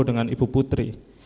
dengan ibu putri